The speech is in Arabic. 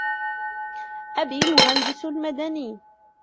أبي مهندس مدني.